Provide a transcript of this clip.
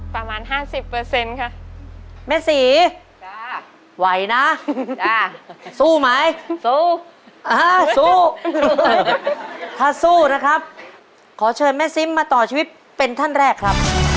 ประมาณ๕๐เปอร์เซ็นต์ค่ะ